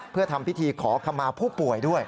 เพื่อทำพิธีขอขมาผู้ป่วยด้วย